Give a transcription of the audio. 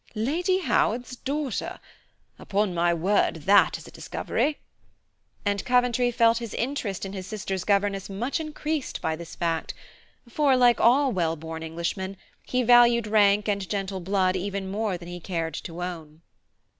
Lady Howard's daughter! Upon my word, that is a discovery," and Coventry felt his interest in his sister's governess much increased by this fact; for, like all wellborn Englishmen, he valued rank and gentle blood even more than he cared to own.